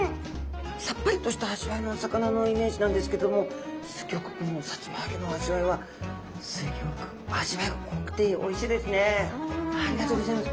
さっぱりとした味わいのお魚のイメージなんですけどもすギョくこのさつま揚げの味わいはすギョく味わいが濃くておいしいですね。